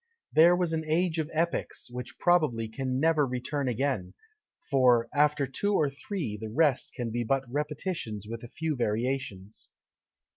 There was an age of epics, which probably can never return again; for after two or three, the rest can be but repetitions with a few variations.